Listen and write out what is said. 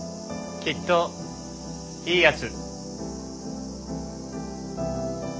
きっといいヤツ。